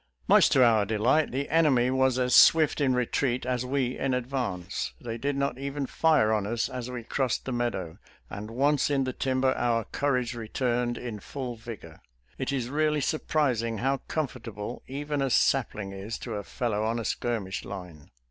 Much to our delight, the enemy was as swift in fetreat as we in advance. They did not even fire on us as we crossed the meadow, and once in the timber, our courage returned in full vigor. It is really surprising how comfortable even a sapling is to a fellow on a skirmish line.